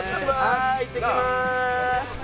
はーいいってきまーす。